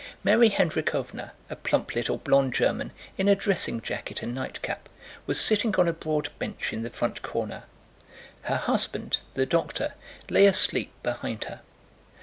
Mary Hendríkhovna, a plump little blonde German, in a dressing jacket and nightcap, was sitting on a broad bench in the front corner. Her husband, the doctor, lay asleep behind her.